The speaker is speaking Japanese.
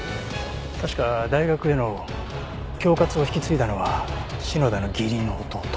確か大学への恐喝を引き継いだのは篠田の義理の弟。